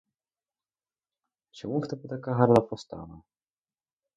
Чому в тебе така гарна постава?